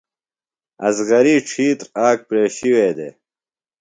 اصغری ڇھیتر آک پرشی وے دےۡ ۔